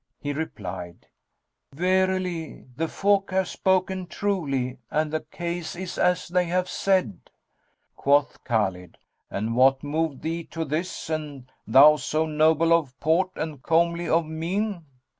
He replied, "Verily the folk have spoken truly and the case is as they have said." Quoth Khбlid, "And what moved thee to this and thou so noble of port and comely of mien?"